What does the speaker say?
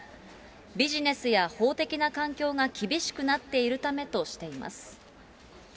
ビジネスや法的な環境が厳しくなっているためとしています。